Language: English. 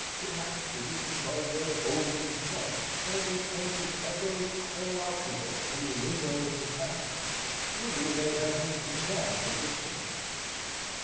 Perhaps it is because they are old and defunct, and their plaintive echoes call out to us from the limbo of the past, whither they have been consigned for this century.